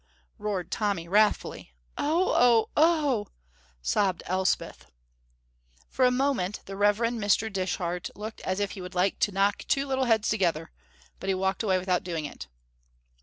roared Tommy, wrathfully. "Oh, oh, oh!" sobbed Elspeth. For a moment the Rev. Mr. Dishart looked as if he would like to knock two little heads together, but he walked away without doing it.